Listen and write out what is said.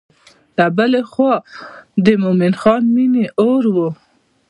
له بلې خوا د مومن خان مینې اور و.